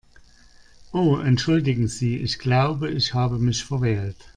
Oh entschuldigen Sie, ich glaube, ich habe mich verwählt.